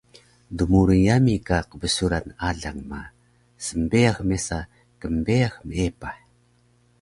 Dmurun yami ka qbsuran alang ma smbeyax mesa knbeyax meepah